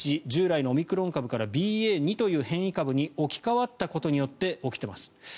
１従来のオミクロン株からＢＡ．２という変異株に置き換わったことによって起きてます。